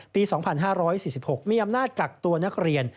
ปี๒๕๔๖มีอำนาจกักตัวนักเรียน